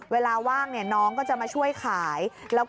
เวลาว่างน้องก็จะมาช่วยขาย